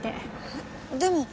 えっでも。